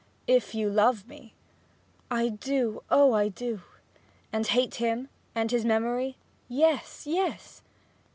'If you love me.' 'I do oh, I do!' 'And hate him, and his memory?' 'Yes yes!'